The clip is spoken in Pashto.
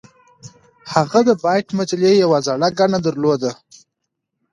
هغه د بایټ مجلې یوه زړه ګڼه درلوده